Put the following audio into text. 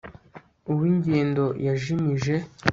uw'ingendo yajimije